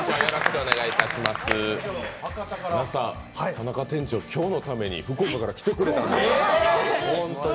田中店長、今日のために福岡から来てくれたんです。